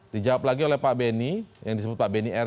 dijawab lagi oleh pak beni yang disebut pak benny r